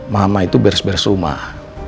mama itu beres beres rumah